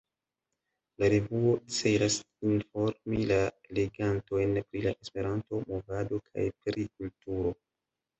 La revuo celas informi la legantojn pri la Esperanto-movado kaj pri kulturo.